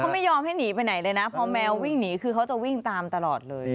เขาไม่ยอมให้หนีไปไหนเลยนะพอแมววิ่งหนีคือเขาจะวิ่งตามตลอดเลย